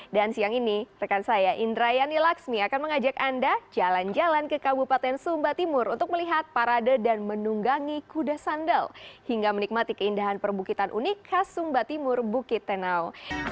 dan siang ini rekan saya indrayani laksmi akan mengajak anda jalan jalan ke kabupaten sumba timur untuk melihat parade dan menunggangi kuda sandal hingga menikmati keindahan perbukitan unik khas sumba timur bukit tenau